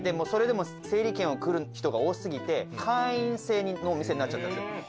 それでも整理券を来る人が多すぎて会員制のお店になっちゃったんですよ。